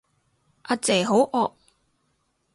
呀姐好惡